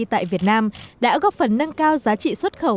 tại việt nam đã góp phần nâng cao giá trị sản phẩm của tập đoàn nike